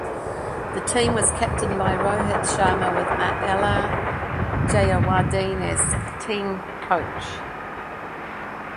The team was captained by Rohit Sharma with Mahela Jayawardene as team coach.